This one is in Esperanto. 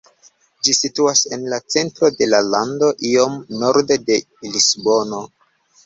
Ĝi situas en la centro de la lando iom norde de Lisbono.